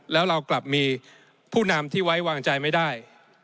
แล้วเรากลับมีผู้นำที่ไว้วางใจไม่ได้